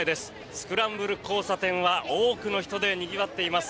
スクランブル交差点は多くの人でにぎわっています。